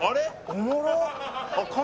おもろっ